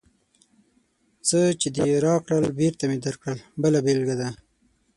څه چې دې راکړل، بېرته مې درکړل بله بېلګه ده.